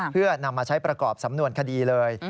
เพื่อนำมาใช้ประกอบสำนวนคดีเลย